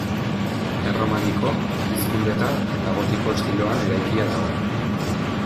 Erromaniko, pizkundetar eta gotiko estiloan eraikia dago.